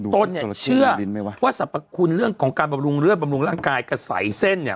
ต้นเนี่ยเชื่อว่าสรรพคุณเรื่องของการบำรุงเลือดบำรุงร่างกายกระใสเส้นเนี่ย